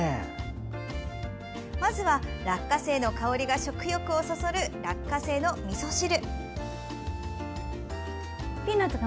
まずは、落花生の香りが食欲をそそる「落花生のみそ汁」。